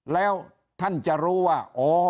แล้วท่านจะรู้ว่า